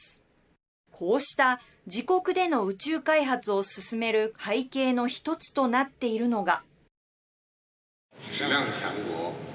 こうした、自国での宇宙開発を進める背景の一つとなっているのが。